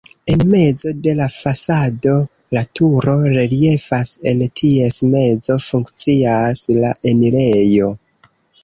En mezo de la fasado la turo reliefas, en ties mezo funkcias la enirejo.